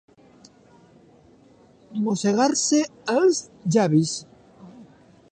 Mossegar-se els llavis.